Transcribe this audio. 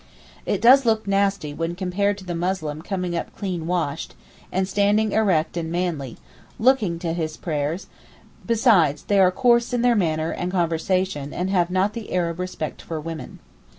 It does look nasty when compared to the Muslim coming up clean washed, and standing erect and manly—looking to his prayers; besides they are coarse in their manners and conversation and have not the Arab respect for women.